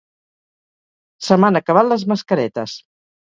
Se m'han acabat les mascaretes.